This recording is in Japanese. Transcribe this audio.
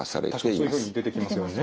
確かにそういうふうに出てきますよね。